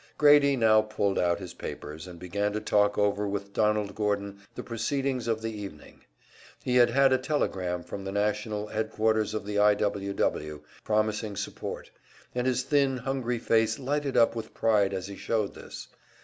Grady now pulled out his papers, and began to talk over with Donald Gordon the proceedings of the evening. He had had a telegram from the national headquarters of the I. W. W., promising support, and his thin, hungry face lighted up with pride as he showed this.